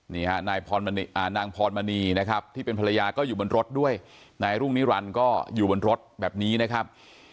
นี่ฮะนายนางพรมณีนะครับที่เป็นภรรยาก็อยู่บนรถด้วยนายรุ่งนิรันดิ์ก็อยู่บนรถแบบนี้นะครับ